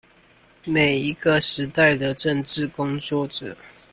每一個時代的政治工作者